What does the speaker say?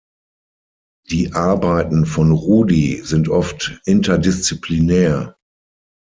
Die Arbeiten von Rudy sind oft interdisziplinär.